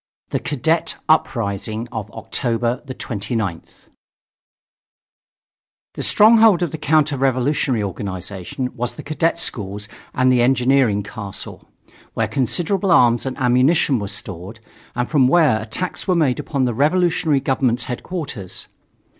THE CADET UPRISING OF OCTOBER 29TH The stronghold of the counter revolutionary organization was the cadet schools and the Engineering Castle, where considerable arms and ammunition were stored, and from where attacks were made upon the revolutionary government's headquarters.